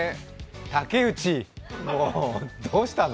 竹内、もうどうしたの？